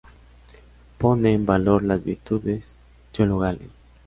Pone en valor las virtudes teologales.